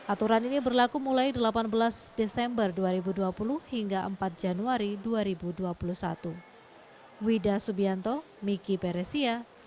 aturan ini berlaku mulai delapan belas desember dua ribu dua puluh hingga empat januari dua ribu dua puluh satu